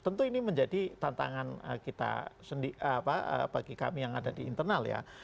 tentu ini menjadi tantangan kita bagi kami yang ada di internal ya